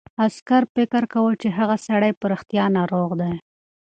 عسکر فکر کاوه چې هغه سړی په رښتیا ناروغ دی.